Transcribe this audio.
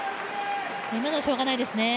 今のはしようがないですね。